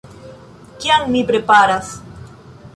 - Kiam mi preparas